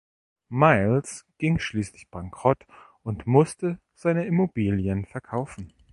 Miles ging schließlich bankrott und musste seine Immobilien verkaufen.